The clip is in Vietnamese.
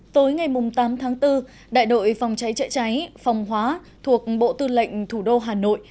tối ngày tám tháng bốn đại đội phòng cháy chữa cháy phòng hóa thuộc bộ tư lệnh thủ đô hà nội